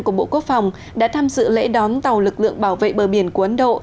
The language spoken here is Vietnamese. của bộ quốc phòng đã tham dự lễ đón tàu lực lượng bảo vệ bờ biển của ấn độ